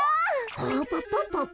パパパパプ。